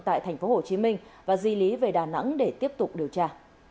tại tp hcm và di lý về đà nẵng để tiếp tục điều tra